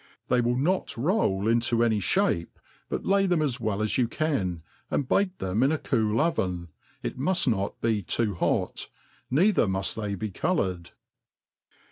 They will not roll Into any fiiape, but lay them as well as you can, and bake them \ti a cool oven^ i| muft not be hot, neither muft they be coloured.